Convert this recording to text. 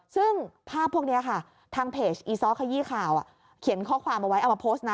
ซึ่งภาพพวกนี้ค่ะทางเพจอีซ้อขยี้ข่าวเขียนข้อความเอาไว้เอามาโพสต์นะ